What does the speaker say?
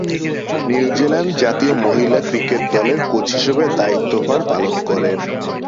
New Zealand জাতীয় মহিলা cricket দলের কোচ হিসেবে দায়িত্বভার পালন করেন।